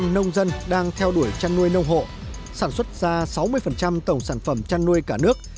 nông dân đang theo đuổi chăn nuôi nông hộ sản xuất ra sáu mươi tổng sản phẩm chăn nuôi cả nước